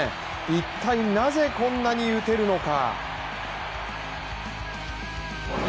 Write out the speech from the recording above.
一体なぜこんなに打てるのか。